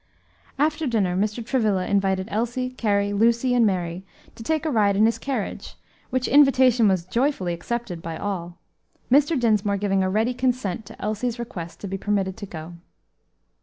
After dinner Mr. Travilla invited Elsie, Carry, Lucy, and Mary, to take a ride in his carriage, which invitation was joyfully accepted by all Mr. Dinsmore giving a ready consent to Elsie's request to be permitted to go.